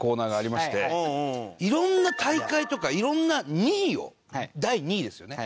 いろんな大会とかいろんな２位を第２位ですよね。